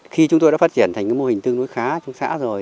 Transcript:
khi chúng tôi đã phát triển thành cái mô hình tương đối khá trong xã rồi